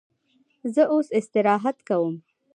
زه اوس استراحت کوم.